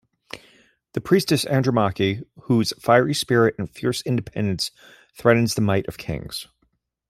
The priestess Andromache, whose fiery spirit and fierce independence threatens the might of kings.